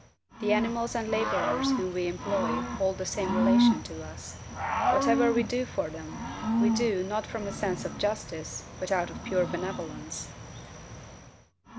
The animals and laborers whom we employ hold the same relation to us. Whatever we do for them, we do, not from a sense of justice, but out of pure benevolence.